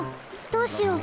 どうしよう！